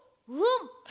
うん！